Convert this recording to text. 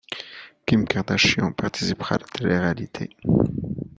Kim Kardashian participera à la téléréalité.